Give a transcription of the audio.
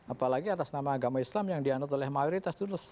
apalagi atas nama agama islam yang dianud oleh mayoritas